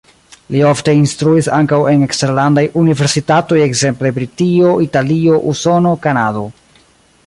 Li ofte instruis ankaŭ en eksterlandaj universitatoj, ekzemple Britio, Italio, Usono, Kanado.